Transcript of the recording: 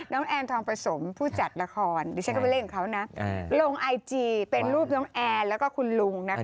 ดิฉันก็ไปเล่นกับเขานะลงไอจีเป็นรูปน้องแอนแล้วก็คุณลุงนะคะ